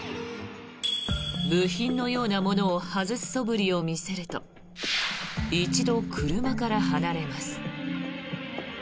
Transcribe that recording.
部品のようなものを外すそぶりを見せると一度、車から離れます。